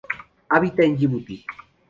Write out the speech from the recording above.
Habita en Yibuti.